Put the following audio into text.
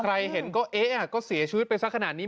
เห็นก็เอ๊ะก็เสียชีวิตไปสักขนาดนี้